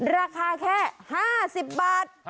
ราคาแค่๕๐บาท